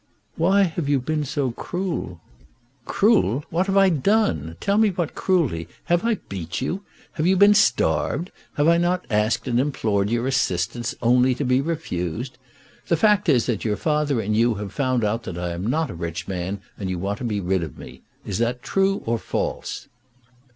"Why have you been so cruel?" "Cruel! What have I done? Tell me what cruelty. Have I beat you? Have you been starved? Have I not asked and implored your assistance, only to be refused? The fact is that your father and you have found out that I am not a rich man, and you want to be rid of me. Is that true or false?"